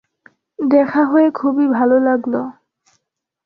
দেখা হয়ে খুবই ভালো লাগল।